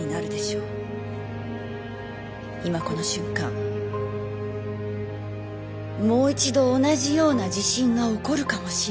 今この瞬間もう一度同じような地震が起こるかもしれない。